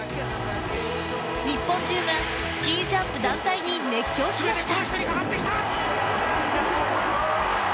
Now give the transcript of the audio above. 日本中がスキージャンプ団体に熱狂しました